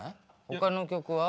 他の曲は？